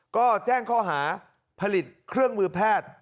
ก็แจ้งข้อหาผลิตเครื่องมือแพทย์